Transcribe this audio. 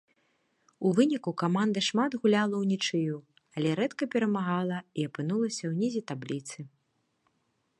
У выніку каманда шмат гуляла ўнічыю, але рэдка перамагала і апынулася ўнізе табліцы.